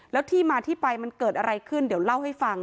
แล้วที่มาที่ไปมันเกิดอะไรขึ้นเดี๋ยวเล่าให้ฟัง